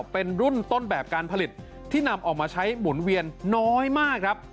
เป็นรุ่นต้นแบบการผลิตที่นำออกมาใช้หมุนเวียนน้อยมากครับ